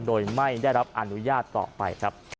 โดยไม่ได้รับอนุญาตต่อไปครับ